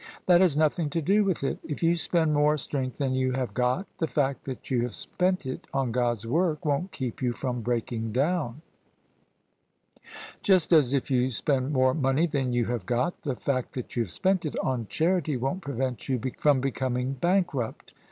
"That has nothing to do with it If you spend more strength than you have got, the fact that you have spent it on God's work won't keep you from breaking down; just as if you spend more money than you have got, the fact that you have spent it on charity won't prevent you from becoming bankrupt."